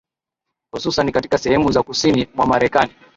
Hususani katika sehemu za kusini mwa marekani